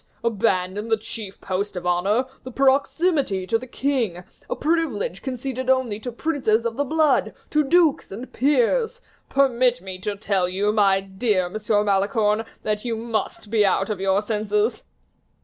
abandon the chief post of honor, the proximity to the king, a privilege conceded only to princes of the blood, to dukes, and peers! Permit me to tell you, my dear Monsieur de Malicorne, that you must be out of your senses."